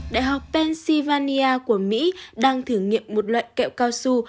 đại học pennsylvania của mỹ đang thử nghiệm một loại kẹo cao su